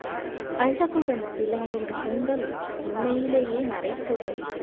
அழகுடன் விளங்கும் கூந்தல், உண்மையிலே நரைத்தது!